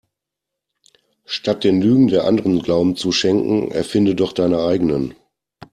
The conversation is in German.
Statt den Lügen der Anderen Glauben zu schenken erfinde doch deine eigenen.